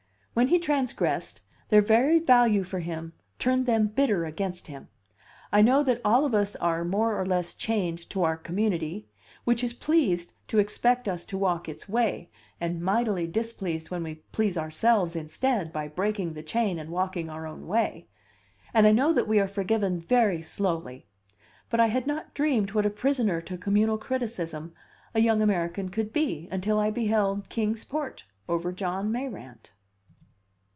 When he transgressed, their very value for him turned them bitter against him. I know that all of us are more or less chained to our community, which is pleased to expect us to walk its way, and mightily displeased when we please ourselves instead by breaking the chain and walking our own way; and I know that we are forgiven very slowly; but I had not dreamed what a prisoner to communal criticism a young American could be until I beheld Kings Port over John Mayrant.